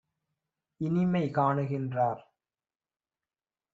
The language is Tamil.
இனிமை காணுகின்றார்